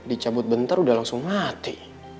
dicabut bentar udah langsung mati